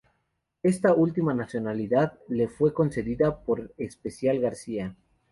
Esta última nacionalidad le fue concedida por especial gracia.